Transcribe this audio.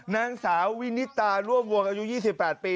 นางสาววินิตาร่วมวงอายุ๒๘ปี